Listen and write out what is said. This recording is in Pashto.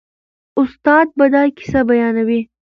استاد به دا کیسه بیانوي.